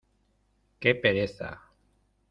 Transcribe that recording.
¡Qué pereza!